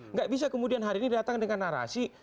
nggak bisa kemudian hari ini datang dengan narasi